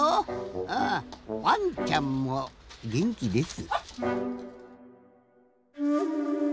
うんワンちゃんもげんきです。